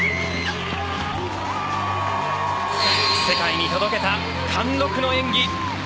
世界に届けた貫禄の演技。